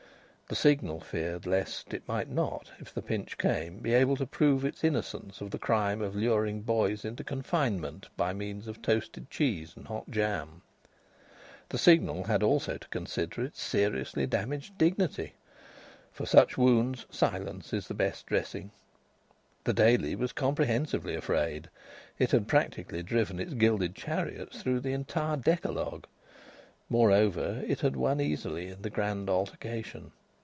The Signal feared lest it might not, if the pinch came, be able to prove its innocence of the crime of luring boys into confinement by means of toasted cheese and hot jam. The Signal had also to consider its seriously damaged dignity; for such wounds silence is the best dressing. The Daily was comprehensively afraid. It had practically driven its gilded chariots through the entire Decalogue. Moreover, it had won easily in the grand altercation.